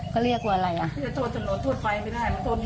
ก็เรียกว่าอะไรอ่ะที่จะโทษถนนทวดไฟไม่ได้มันโทษ